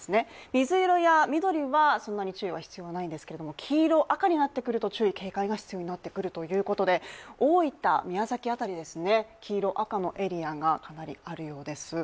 水色や緑はそんなに注意は必要ないんですけれども黄色、赤になってくると注意・警戒が必要になってくるということで、大分、宮崎辺り、黄色、赤のエリアがかなりあるようです。